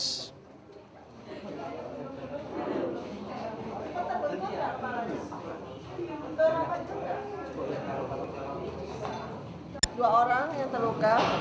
kedua orang yang terluka